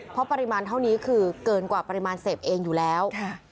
เพราะปริมาณเท่านี้คือเกินกว่าปริมาณเสพเองอยู่แล้ว